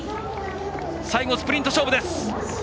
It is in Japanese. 最後、スプリント勝負です。